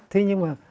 thế nhưng mà